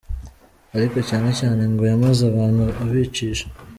Ariko cyane cyane ngo yamaze abantu abicisha.